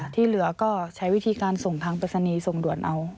ที่เหลือก็ใช้วิธีการส่งทางปริศนีย์ส่งด่วนเอา